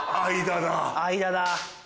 間だ。